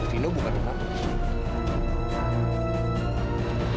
vino bukan dengan lu